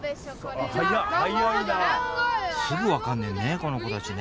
すぐ分かんねんねこの子たちね